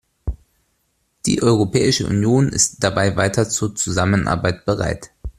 Die Europäische Union ist dabei weiter zur Zusammenarbeit bereit.